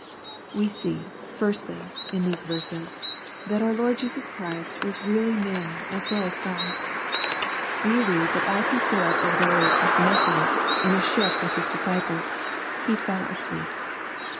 We see, firstly, in these verseis, that our Lord Jesua Christ was really man as weU as God. We read that 262 EXPOSITOBT THOUGHTS. as he sailed oirer the Lake of Gennesaret in a ship with his disciples, " he fell asleep."